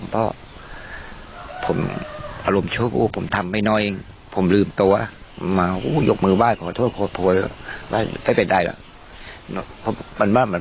เพราะผมอารมณ์โชคผมทำไปน้อยผมลืมตัวยกมือว่ายขอโทษไม่เป็นไร